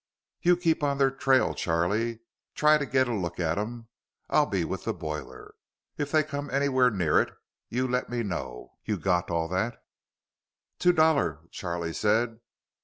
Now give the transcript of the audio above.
"You keep on their trail, Charlie. Try to get a look at 'em. I'll be with the boiler. If they come anywhere near it, you let me know. You got all that?" "Two dollar," Charlie said.